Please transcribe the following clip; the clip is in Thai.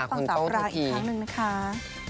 คุณต้องรักอีกครั้งหนึ่งนะคะ